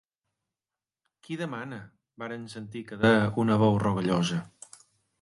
Qui demana? —van sentir que deia una veu rogallosa.